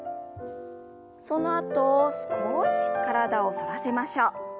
そのあと少し体を反らせましょう。